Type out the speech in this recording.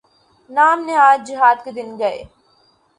نام نہاد جہاد کے دن گئے۔